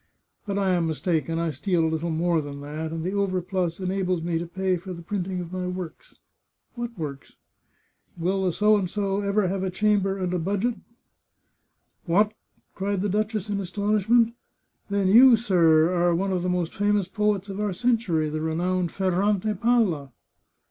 But I am mistaken ; I steal a little more than that, and the overplus enables me to pay for the printing of my works." "What works?" "Will the ever have a chamber and a budget?" " What !" cried the duchess in astonishment. " Then you, sir, are one of the most famous poets of our century, the renowned Ferrante Palla